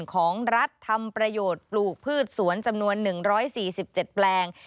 ของรัฐทำประโยชน์ปลูกพืชสวนจำนวน๑๔๗แปลง